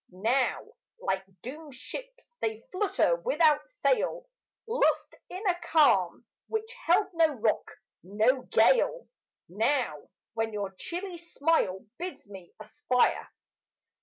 Now, like doomed ships, they flutter without sail. Lost in a calm which held no rock, no gale Now, when your chilly smile bids me aspire!